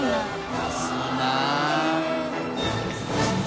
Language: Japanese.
安いなぁ。